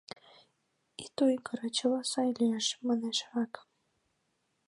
— Ит ойгыро, чыла сай лиеш, — манеш раке.